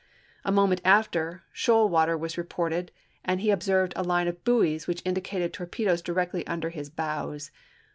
A moment after, shoal water was reported, and he observed a line of buoys which indicated torpedoes directly under his bows.